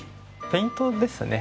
ペイントですね。